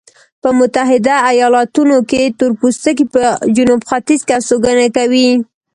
په متحده ایلاتونو کې تورپوستکي په جنوب ختیځ کې استوګنه کوي.